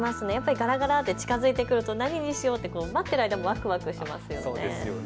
ガラガラで近づいてくると何にしようと待っている間もわくわくしますよね。